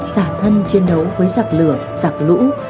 xả thân chiến đấu với giặc lửa giặc lũ